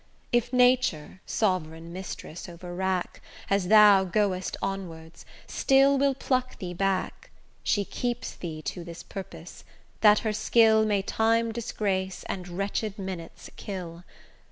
If Nature, sovereign mistress over wrack, As thou goest onwards, still will pluck thee back, She keeps thee to this purpose, that her skill May time disgrace and wretched minutes kill.